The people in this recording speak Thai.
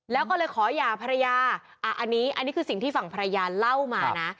แล้วก็เลยขอหย่าภรรยาอันนี้อันนี้คือสิ่งที่ฝั่งภรรยาเล่ามานะ